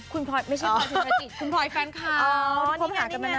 คุณพลอยแฟนคาร์